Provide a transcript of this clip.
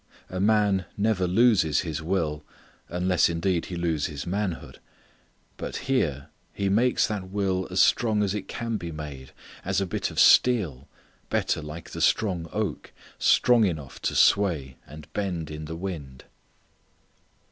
A man never loses his will, unless indeed he lose his manhood. But here he makes that will as strong as it can be made, as a bit of steel, better like the strong oak, strong enough to sway and bend in the wind.